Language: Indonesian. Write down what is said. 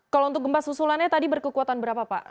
kalau untuk gempa susulannya tadi berkekuatan berapa pak